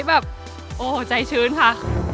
แบบโอ้โหใจชื้นค่ะ